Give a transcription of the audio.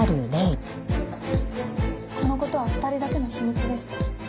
この事は２人だけの秘密でした。